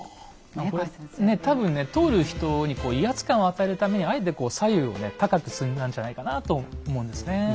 これ多分ね通る人にこう威圧感を与えるためにあえてこう左右をね高く積んだんじゃないかなと思うんですね。